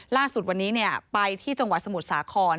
ล่าสุดวันนี้ไปที่จังหวัดสมุทรสาคร